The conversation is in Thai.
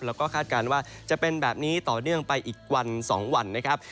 แล้วก็คาดการณ์ว่าจะเป็นแบบนี้ต่อเนื่องไปอีกวัน๒วันนะครับ